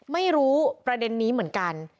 ไม่รู้ประเด็นนี้เหมือนกัน